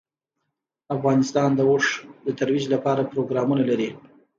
افغانستان د اوښ د ترویج لپاره پروګرامونه لري.